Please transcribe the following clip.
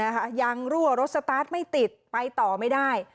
ว่ารถเสียยังรั่วรถสตาร์ทไม่ติดไปต่อไม่ได้